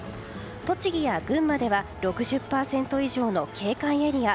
栃木や群馬では６０％以上の警戒エリア。